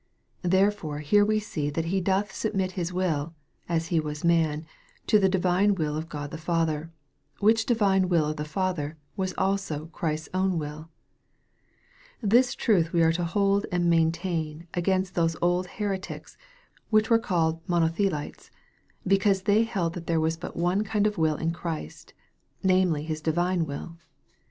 Therefore here we see that He doth submit His will, as He was man, to the divine will of God the Father, which divine will of the Father was also Christ's own wilL This truth we are to hold and maintain against those old heretics, which were called Monothelites, because they held there was but one kind of will in Christ, namely His divine will.